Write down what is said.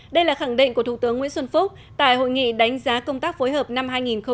đây là khẳng định của thủ tướng nguyễn xuân phúc tại hội nghị đánh giá công tác phối hợp năm hai nghìn một mươi chín